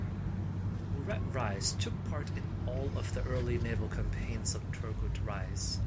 Murat Reis took part in all of the early naval campaigns of Turgut Reis.